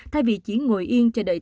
thay vì chỉ ngồi yên chờ đợi